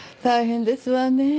大変ですわね。